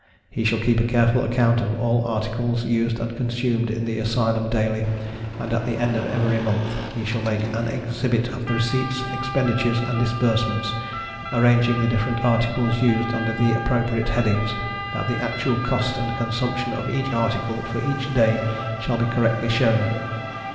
He shall keep a careful account of all articles used and consumed in the Asylum daily, and at the end of every month, he shall make an exhibit of the receipts, expenditures, and disbursementsâ€"arranging the different articles used under appropriate headings, that the actual cost and consumption of each article, for each day, shall be correctly shown.